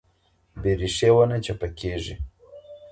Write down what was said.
بې ريښې ونه چپه کيږي.